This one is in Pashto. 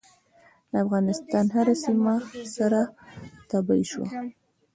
د افغانستان هره سیمه سره تبۍ شوه.